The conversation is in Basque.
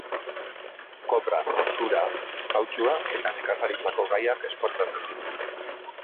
Kopra, zura, kautxua eta nekazaritzako gaiak esportatzen ditu.